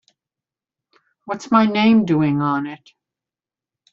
What's my name doing on it?